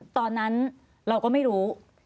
ตอนนั้นเราก็ไม่รู้